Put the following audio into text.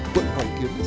quận hồng kiến